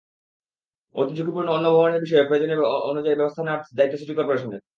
অতিঝুঁকিপূর্ণ অন্য ভবনের বিষয়ে প্রয়োজন অনুযায়ী ব্যবস্থা নেওয়ার দায়িত্ব সিটি করপোরেশনের।